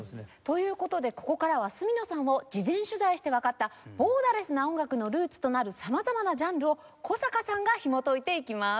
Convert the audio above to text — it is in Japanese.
という事でここからは角野さんを事前取材してわかったボーダレスな音楽のルーツとなる様々なジャンルを古坂さんがひもといていきます。